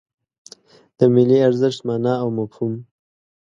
د ملي ارزښت مانا او مفهوم